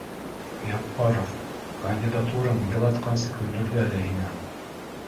Яппаров, кандидатураң илатҡансы көлдөрҙө әле һинең